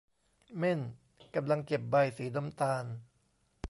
เม่นกำลังเก็บใบสีน้ำตาล